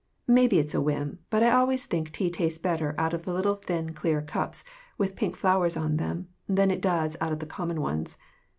Maybe it's a whim, but I always think tea tastes better out of the little thin, clear cups, with pink flowers on them, than it does out of the common ones.